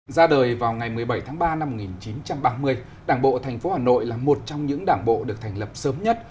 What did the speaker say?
ra đời vào ngày một mươi bảy tháng ba năm một nghìn chín trăm ba mươi đảng bộ thành phố hà nội là một trong những đảng bộ được thành lập sớm nhất